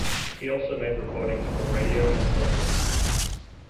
He also made recordings for radio and television.